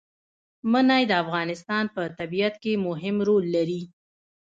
منی د افغانستان په طبیعت کې مهم رول لري.